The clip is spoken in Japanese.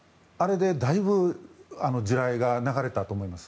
あれでだいぶ地雷が流れたと思います。